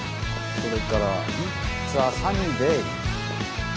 それからイッツアサニーデー。